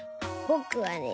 ぼくはね。